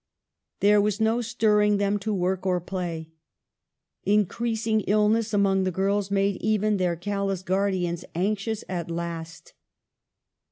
There was no stirring them to work or play. Increasing illness among the girls made even their callous guardians anxious at last.